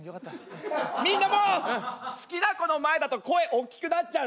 みんなも好きな子の前だと声おっきくなっちゃう？